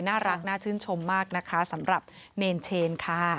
น่ารักน่าชื่นชมมากนะคะสำหรับเนรเชนค่ะ